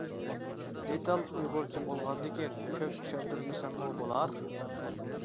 دېتال ئۇيغۇرچە بولغاندىكىن كۆپ چۈشەندۈرمىسەممۇ بولار.